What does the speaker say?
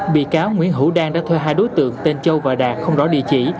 bị cáo nguyễn hữu đang đã thuê hai đối tượng tên châu và đạt không rõ địa chỉ